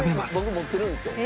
僕持ってるんですよ